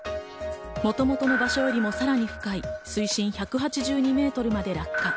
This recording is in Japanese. もともとの場所よりもさらに深い水深１８２メートルまで落下。